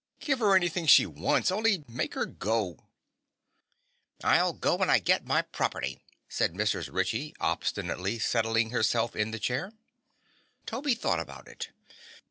Give her anything she wants; only make her go." "I'll go when I get my property," said Mrs. Ritchie, obstinately settling herself in the chair. Toby thought about it.